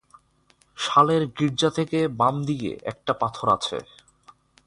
শালের গির্জা থেকে বাম দিকে একটা পাথর আছে।